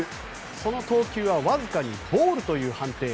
その投球はわずかにボールという判定。